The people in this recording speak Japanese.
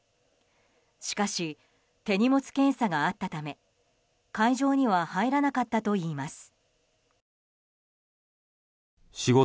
しかし、手荷物検査があったため会場には入らなかったといいます。